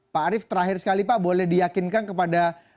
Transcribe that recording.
pak arief terakhir sekali pak boleh diyakinkan kepada